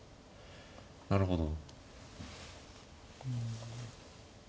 なるほど。